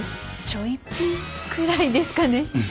ちょいぴんくらいですかね。